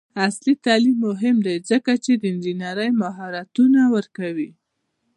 عصري تعلیم مهم دی ځکه چې د انجینرۍ مهارتونه ورکوي.